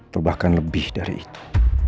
terbahkan lebih dari itu